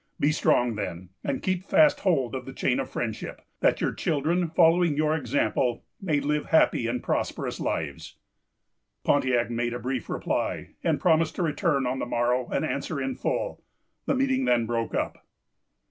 Be strong, then, and keep fast hold of the chain of friendship, that your children, following your example, may live happy and prosperous lives." Pontiac made a brief reply, and promised to return on the morrow an answer in full. The meeting then broke up.